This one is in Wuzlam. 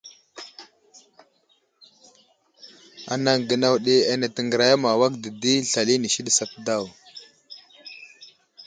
Anaŋ gənaw ɗi ane təŋgəriya ma awak dedi slal inisi ɗi asat daw.